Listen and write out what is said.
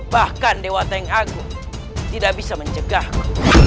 bahkan dewa tengahku tidak bisa mencegahku